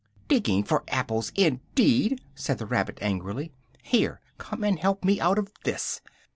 "Digging for apples indeed!" said the rabbit angrily, "here, come and help me out of this!"